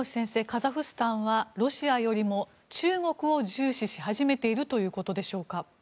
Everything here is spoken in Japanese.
カザフスタンはロシアよりも中国を重視し始めているということでしょうか。